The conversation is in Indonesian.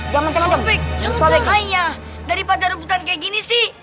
jangan terlalu ayah daripada rebutan kayak gini sih